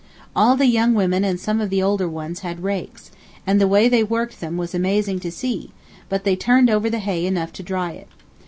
All the young women and some of the older ones had rakes, and the way they worked them was amazing to see, but they turned over the hay enough to dry it.